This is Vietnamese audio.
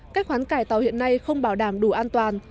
cách hoán cải tàu hiện nay không bảo đảm đủ an toàn